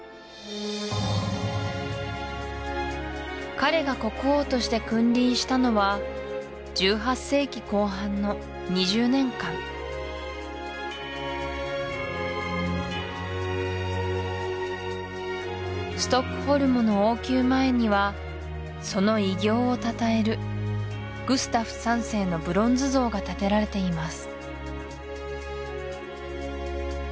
彼が国王として君臨したのは１８世紀後半の２０年間ストックホルムの王宮前にはその偉業をたたえるグスタフ３世のブロンズ像がたてられています